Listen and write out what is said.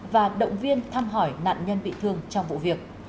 và động viên thăm hỏi nạn nhân bị thương trong vụ việc